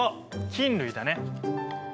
菌類だね。